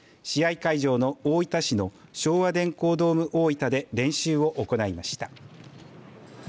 会場の大分市の昭和電工ドーム大分で練習を行いました。